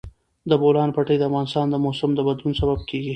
د بولان پټي د افغانستان د موسم د بدلون سبب کېږي.